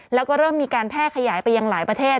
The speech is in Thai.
แล้วก็เริ่มมีการแพร่ขยายไปยังหลายประเทศ